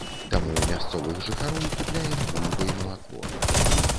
Таму ў мясцовых жыхароў купляем бульбу і малако.